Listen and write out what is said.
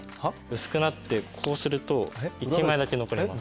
薄くなってこうすると１枚だけ残ります